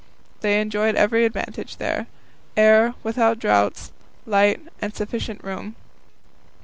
They enjoyed every advantage there air, without draughts, light, and sufficient room.